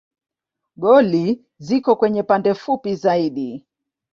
Goli ziko kwenye pande fupi zaidi.